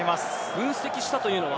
分析したというのは？